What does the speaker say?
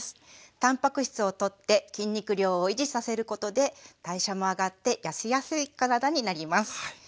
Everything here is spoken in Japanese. たんぱく質をとって筋肉量を維持させることで代謝も上がって痩せやすい体になります。